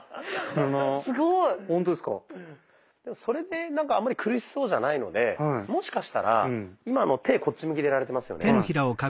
それでなんかあんまり苦しそうじゃないのでもしかしたら今の手こっち向きでやられてますよね。